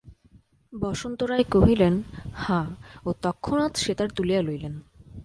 বসন্ত রায় কহিলেন, হাঁ ও তৎক্ষণাৎ সেতার তুলিয়া লইলেন।